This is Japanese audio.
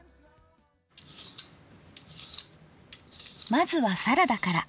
まずはサラダから。